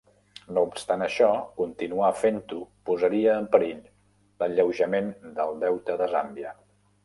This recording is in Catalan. No obstant això, continuar fent-ho posaria en perill l'alleujament del deute de Zàmbia.